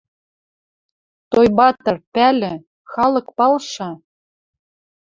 Тойбатр, пӓлӹ, халык палша